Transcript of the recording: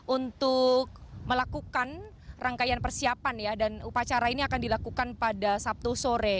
untuk melakukan rangkaian persiapan ya dan upacara ini akan dilakukan pada sabtu sore